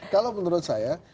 kalau menurut saya